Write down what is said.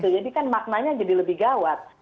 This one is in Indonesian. jadi kan maknanya jadi lebih gawat